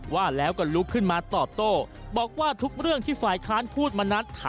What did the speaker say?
ว่าแล้วก็ลุกขึ้นมาต่อโตบอกว่าทุกเรื่องที่ฝ่ายค้านพูดมานัดทำไปหมดแล้ว